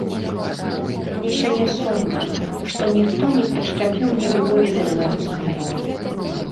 Мне сёння сумна, што ніхто не прышчапіў мне любові да беларускай мовы.